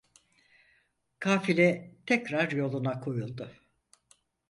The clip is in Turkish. Kafile tekrar yoluna koyuldu.